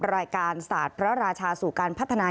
รายการศาสตร์พระราชาสู่การพัฒนา